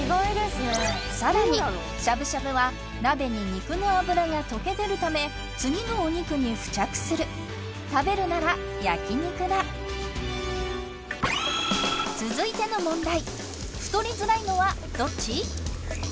更にしゃぶしゃぶは鍋に肉の脂が溶け出るため次のお肉に付着する食べるなら焼き肉だ続いての問題